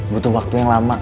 butuh waktu yang lama